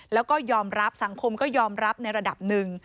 แล้วก็ยอมรับสังคมก็ยอมรับในระดับหนึ่ง